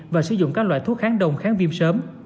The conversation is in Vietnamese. và sử dụng các loại thuốc kháng đông kháng viêm sớm